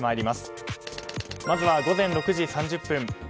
まずは午前６時３０分。